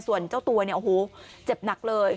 ส่วนเจ้าตัวเนี่ยโอ้โหเจ็บหนักเลย